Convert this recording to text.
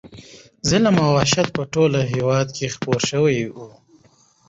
ظلم او وحشت په ټول هېواد کې خپور شوی و.